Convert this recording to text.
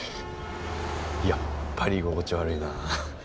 やっぱり居心地悪いな。